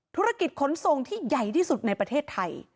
ขนส่งที่ใหญ่ที่สุดในประเทศไทย